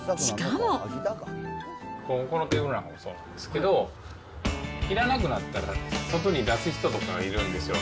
このテーブルなんかもそうなんですけど、いらなくなったら外に出す人とかいるんですよ。